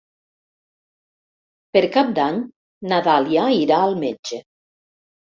Per Cap d'Any na Dàlia irà al metge.